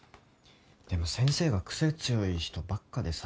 でも先生が癖強い人ばっかでさ。